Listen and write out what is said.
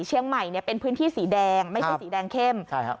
เนี้ยเป็นพื้นที่สีแดงไม่ใช่สีแดงเข้มใช่ครับ